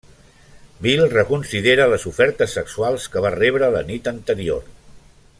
Bill reconsidera les ofertes sexuals que va rebre la nit anterior.